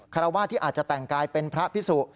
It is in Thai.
ราวาสที่อาจจะแต่งกายเป็นพระพิสุ